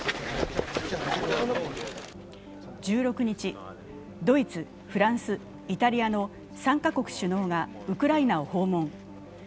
１６日、ドイツ、フランスイタリアの３か国首脳がウクライナを訪問。